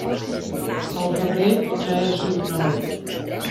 El febrer ja és jornaler.